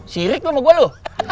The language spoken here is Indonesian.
si rick tuh mau gue lu